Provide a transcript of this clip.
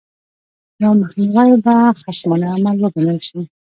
یا مخنیوی به خصمانه عمل وګڼل شي.